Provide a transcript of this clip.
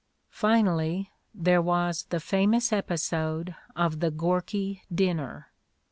Finally, there :was the famous episode of the Gorky dinner.